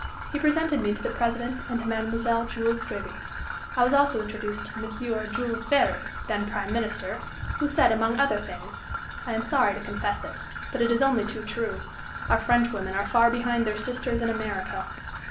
He presented me to the President and to Mme. Jules Grévy. I was also introduced to M. Jules Ferry, then Prime Minister, who said, among other things: "I am sorry to confess it, but it is only too true, our French women are far behind their sisters in America."